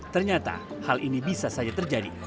ternyata hal ini bisa saja terjadi